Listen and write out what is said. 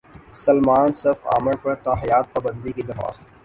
سلمان صف عامر پر تاحیات پابندی کی درخواست